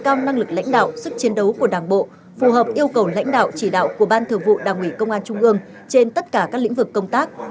nâng cao năng lực lãnh đạo sức chiến đấu của đảng bộ phù hợp yêu cầu lãnh đạo chỉ đạo của ban thường vụ đảng ủy công an trung ương trên tất cả các lĩnh vực công tác